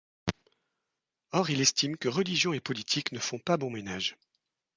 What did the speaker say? Or il estime que religion et politique ne font pas bon ménage.